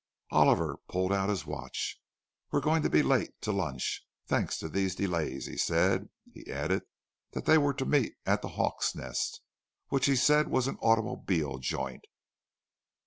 Oliver pulled out his watch. "We're going to be late to lunch, thanks to these delays," he said. He added that they were to meet at the "Hawk's Nest," which he said was an "automobile joint."